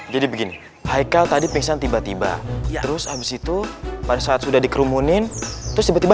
begini haikal tadi piksan tiba tiba terus abis itu pada saat sudah dikerumunin terus tiba tiba